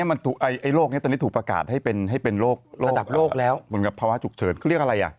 เพราะฉะนั้นเนี่ย